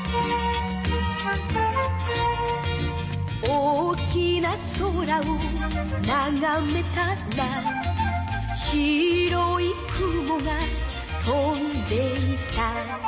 「大きな空をながめたら」「白い雲が飛んでいた」